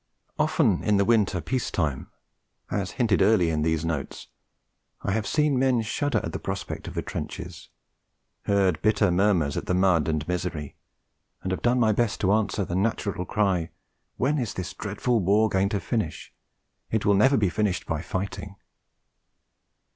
Often in the winter 'peace time,' as hinted early in these notes, I have seen men shudder at the prospect of the trenches, heard bitter murmurs at the mud and misery, and have done my best to answer the natural cry: 'When is this dreadful war going to finish? It will never be finished by fighting!'